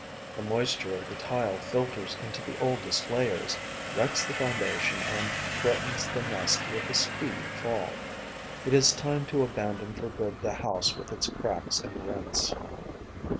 The moisture of the tile filters into the oldest layers, wrecks the foundations and threatens the nest with a speedy fall. It is time to abandon for good the house with its cracks and rents.